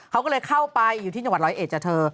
เขาก็เลยเข้าไปอยู่ที่จังหวัดร้อยเอ็ดจากเธอ